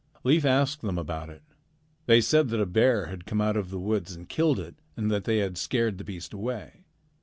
"Leif asked them about it. They said that a bear had come out of the woods and killed it, and that they had scared the beast away.